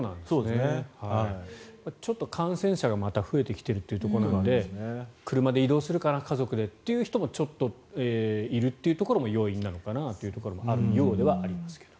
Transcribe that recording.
ちょっと感染者がまた増えてきているというところなので車で移動するかな、家族でという方もちょっといるというところも要因なのかなというところがあるようではありますが。